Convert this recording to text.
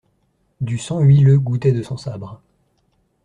Du sang huileux gouttait de son sabre.